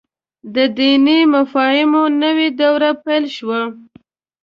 د دیني مفاهیمو نوې دوره پيل شوه.